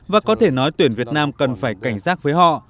và có thể nói tuyển việt nam cần phải cảnh giác với họ